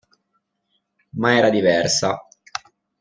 Ma era diversa.